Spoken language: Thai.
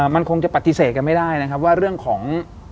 มันคงจะปฏิเสธกันไม่ได้นะครับว่าเรื่องของ